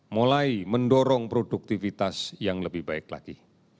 mulai mendorong produktivitas yang lebih baik lagi